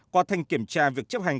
qua thành kiểm tra việc chấp hành